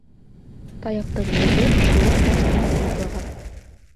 Таяҡтың беҙе шыуып ташты сыймаҡлаған.